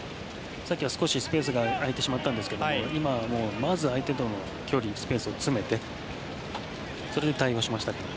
さっきは少しスペースが空いてしまったんですが今はまずまず相手との距離、スペースを詰めて対応しましたから。